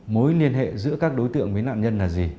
mối liên hệ giữa các đối tượng với nạn nhân là gì